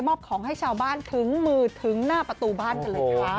ของให้ชาวบ้านถึงมือถึงหน้าประตูบ้านกันเลยค่ะ